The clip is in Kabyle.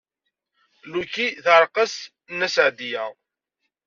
Lucy teɛreq-as Nna Seɛdiya.